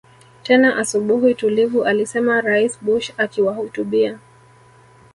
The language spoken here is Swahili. tena asubuhi tulivu alisema Rais Bush akiwahutubia